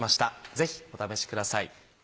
ぜひお試しください。